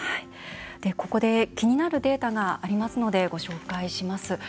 ここで気になるデータがありますのでご紹介します。